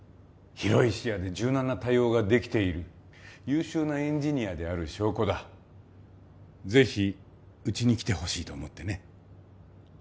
広い視野で柔軟な対応ができている優秀なエンジニアである証拠だぜひうちに来てほしいと思ってね